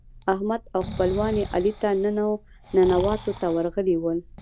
احمد او خپلوان يې علي ته ننواتو ته ورغلي ول.